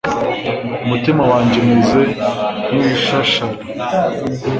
Umutima wanjye umeze nk’ibishashara